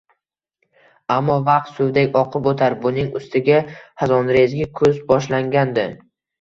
Ammo vaqt suvdek oqib o`tar, buning ustiga hazonrezgi kuz boshlangandi